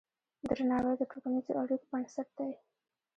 درناوی د ټولنیزو اړیکو بنسټ دی.